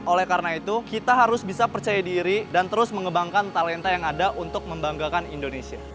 oleh karena itu kita harus bisa percaya diri dan terus mengembangkan talenta yang ada untuk membanggakan indonesia